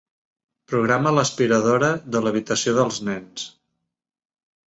Programa l'aspiradora de l'habitació dels nens.